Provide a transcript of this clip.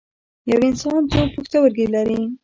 یو انسان څو پښتورګي لري